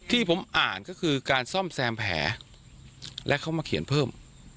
ที่ผมอ่านก็คือการซ่อมแซมแผลและเขามาเขียนเพิ่ม